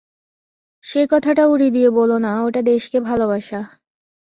সেই কথাটা উড়িয়ে দিয়ে বলো না ওটা দেশকে ভালোবাসা।